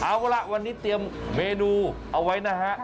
เอาล่ะวันนี้เตรียมเมนูเอาไว้นะฮะ